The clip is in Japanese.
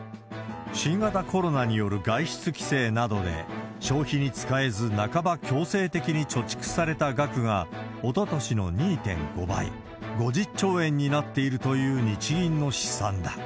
新型コロナによる外出規制などで、消費に使えず、半ば強制的に貯蓄された額が、おととしの２．５倍、５０兆円になっているという日銀の試算だ。